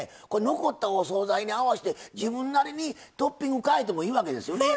残ったお総菜に合わせて自分なりにトッピング変えてもいいわけですよね？